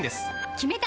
決めた！